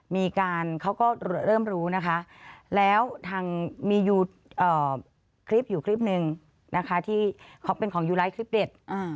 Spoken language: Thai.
มีการเขาก็เริ่มรู้นะคะแล้วทางมีคลิปอยู่คลิปหนึ่งนะคะที่เขาเป็นของยูไลท์คลิปเด็ด